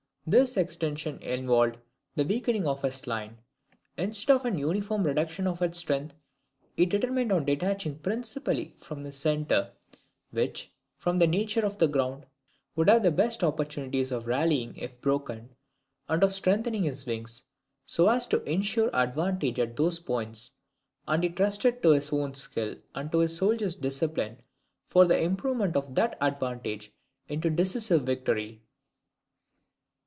This extension involved the weakening of his line. Instead of an uniform reduction of its strength, he determined on detaching principally from his centre, which, from the nature of the ground, would have the best opportunities for rallying if broken; and on strengthening his wings, so as to insure advantage at those points; and he trusted to his own skill, and to his soldiers' discipline, for the improvement of that advantage into decisive victory.